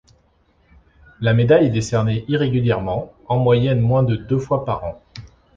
La médaille est décernée irrégulièrement, en moyenne moins de deux fois par an.